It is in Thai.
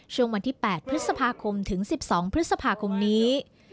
ช่วงวันที่๘พฤษภาคมถึง๑๒พฤษภาคมนี้